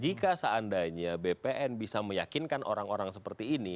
jika seandainya bpn bisa meyakinkan orang orang seperti ini